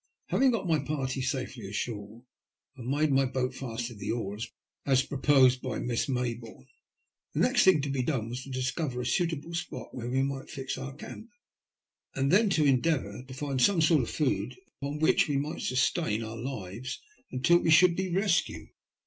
Having got my party safely ashore, and made my boat fast to the oar, as proposed by Miss Mayboome, the next thing to be done was to discover a suitable spot where we might fix our camp, and then to endeavour to find some sort of food upon which we might sustain THE SALVAGES. 159 our lives until we should be rescued.